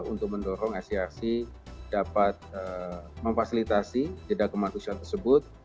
untuk mendorong asi arsi dapat memfasilitasi jeda kemanusiaan tersebut